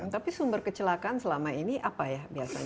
tapi sumber kecelakaan selama ini apa ya biasanya